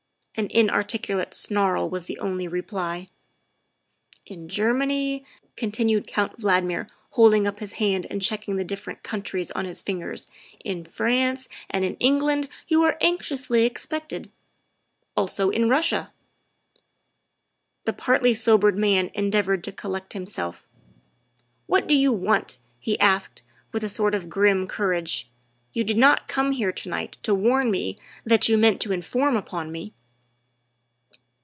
An inarticulate snarl was the only reply. " In Germany," continued Count Valdmir, holding up his hand and checking the different countries on his fingers, " in France, and in England you are anxiously expected. Also in Russia." The partly sobered man endeavored to collect himself. '' What do you want ?" he asked, with a sort of grim courage. " You did not come here to night to warn me that you meant to inform upon me.